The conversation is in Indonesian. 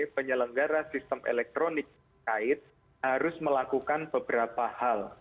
penyelenggara sistem elektronik terkait harus melakukan beberapa hal